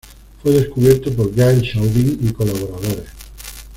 Fue descubierto por Gael Chauvin y colaboradores.